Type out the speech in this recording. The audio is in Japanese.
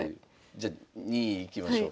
じゃ２位いきましょう。